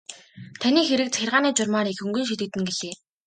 Таны хэрэг захиргааны журмаар их хөнгөн шийдэгдэнэ гэлээ.